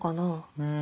うん。